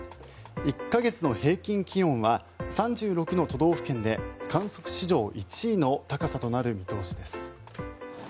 １か月の平均気温は３６の都道府県で観測史上１位の高さとなる見通しです。